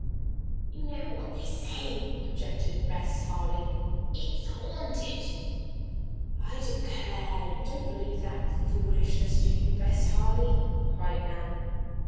"You know what they say," objected Bess Harley. "It's haunted!" "I declare! you don't believe that foolishness, do you, Bess Harley?" cried Nan.